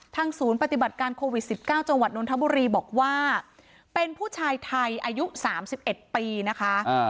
ศูนย์ปฏิบัติการโควิด๑๙จังหวัดนทบุรีบอกว่าเป็นผู้ชายไทยอายุ๓๑ปีนะคะ